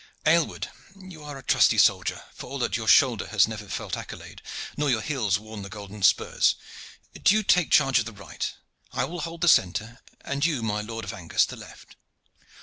Aylward, you are a trusty soldier, for all that your shoulder has never felt accolade, nor your heels worn the gold spurs. Do you take charge of the right; I will hold the centre, and you, my Lord of Angus, the left."